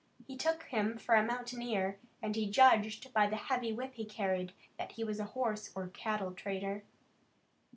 He took him for a mountaineer, and he judged by the heavy whip he carried, that he was a horse or cattle trader.